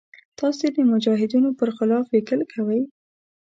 تاسې د مجاهدینو پر خلاف لیکل کوئ.